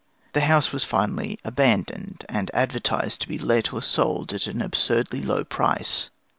The house was finally abandoned, and advertised to be let or sold at an absurdly low price.